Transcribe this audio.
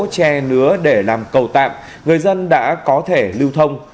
tre nứa để làm cầu tạm người dân đã có thể lưu thông